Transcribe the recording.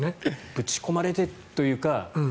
ぶち込まれてというか。